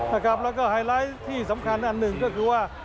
แล้วก็ไฮไลท์ที่สำคัญอันหนึ่งก็คือว่า